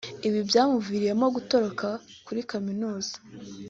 Ibi byamuviriyemo gutoroka kuri kaminuza